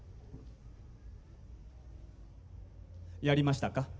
やりましたか？